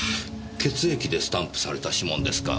血液でスタンプされた指紋ですか。